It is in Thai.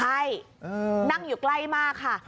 ใช่นั่งอยู่ใกล้มากค่ะ